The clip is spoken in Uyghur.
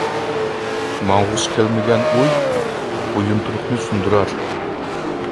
ماڭغۇسى كەلمىگەن ئۇي، بويۇنتۇرۇقنى سۇندۇرار.